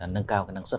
nâng cao cái năng suất